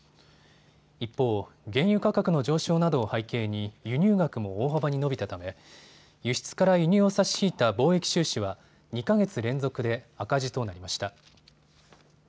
一方、原油価格の上昇などを背景に輸入額も大幅に伸びたため輸出から輸入を差し引いた貿易収支は２か月連続で赤字となりました。